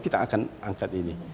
kita akan angkat ini